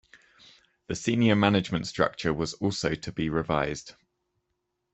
The senior management structure was also to be revised.